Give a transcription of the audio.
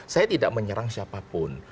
saya tidak menyerang siapapun